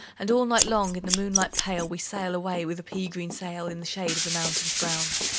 And all night long, in the moonlight pale, We sail away with a pea green sail In the shade of the mountains brown."